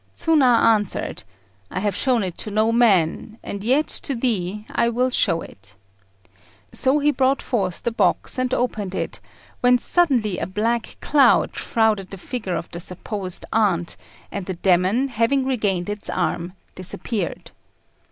Tsuna answered, "I have shown it to no man, and yet to thee I will show it." So he brought forth the box and opened it, when suddenly a black cloud shrouded the figure of the supposed aunt, and the demon, having regained its arm, disappeared.